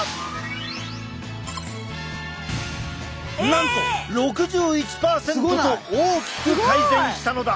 なんと６１％と大きく改善したのだ！